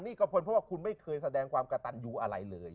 นี่ก็เป็นเพราะว่าคุณไม่เคยแสดงความกระตันยูอะไรเลย